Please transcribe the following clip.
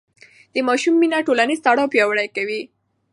د ماشوم مینه ټولنیز تړاو پیاوړی کوي.